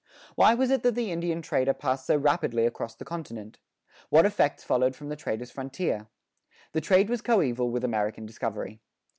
Why was it that the Indian trader passed so rapidly across the continent? What effects followed from the trader's frontier? The trade was coeval with American discovery.